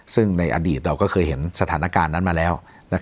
ซึ่งในอดีตเราก็เคยเห็นสถานการณ์นั้นมาแล้ว